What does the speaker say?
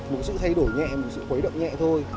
một sự thay đổi nhẹ một sự khuấy động nhẹ thôi